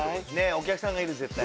お客さんがいる絶対。